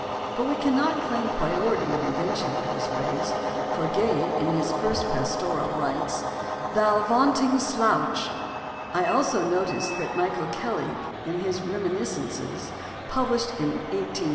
But we cannot claim priority of invention in this phrase, for Gay in his first Pastoral (vol. I, p. 77, Underhill edi tion) writes, "Thou vaunting slouch." I also noticed that Michael Kelly in his Reminiscences, published in 1825 (vol.